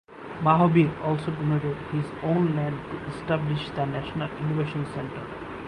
Mahabir also donated his own land to establish the National Innovation Center.